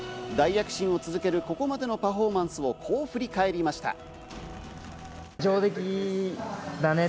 大躍進を続けるここまでのパフォーマンスをこう振り返りました。